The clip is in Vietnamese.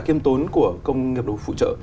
kiêm tốn của công nghiệp đồng phụ trợ